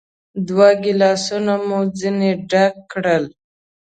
دوه ګیلاسونه مو ځینې ډک کړل.